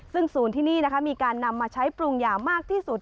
ซึ่งศูนย์ที่นี่นะคะมีการนำมาใช้ปรุงยามากที่สุด